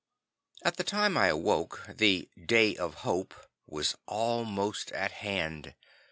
At the time I awoke, the "Day of Hope" was almost at hand.